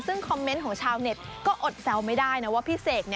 ซึ่งคอมเมนต์ของชาวเน็ตก็อดแซวไม่ได้นะว่าพี่เสก